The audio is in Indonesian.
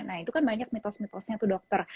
nah itu kan banyak mitos mitosnya tuh dokter